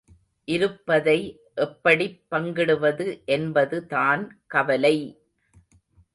இருப்பதை எப்படிப் பங்கிடுவது என்பதுதான் கவலை!